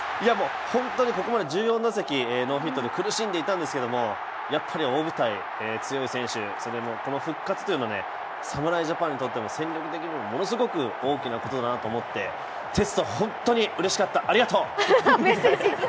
ホントにここまで１４打席ノーヒットで苦しんでいたんですけども、やはり大舞台に強い選手、この復活というのは侍ジャパンにとっても戦力的にもすごく大きいことだなと思って哲人、本当にうれしかった、ありがとう。